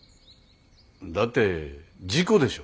だって事故でしょ。